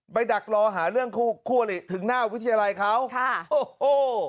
ดักรอหาเรื่องคู่คู่อลิถึงหน้าวิทยาลัยเขาค่ะโอ้โห